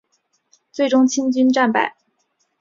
最终清军战败。